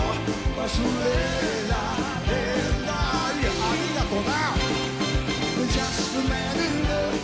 ありがとな。